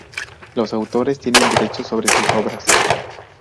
Los autores tienen derechos sobre sus obras